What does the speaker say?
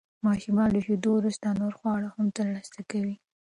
ماشومان له شیدو وروسته نور خواړه هم ترلاسه کوي.